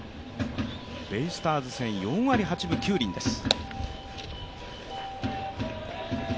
ベイスターズ戦、４割８分９厘です。